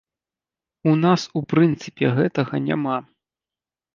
У нас у прынцыпе гэтага няма.